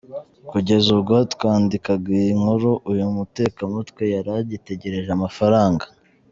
Kugeza ubwo twandikaga iyi nkuru uyu mutekamutwe yari agitegereje amafaranga.